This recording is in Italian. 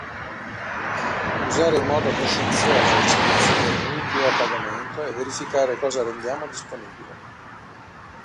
Usare in modo coscienzioso i servizi gratuiti o a pagamento e verificare cosa rendiamo disponibile.